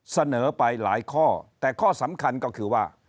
เสนอไปหลายข้อแต่ข้อสำคัญก็คือว่า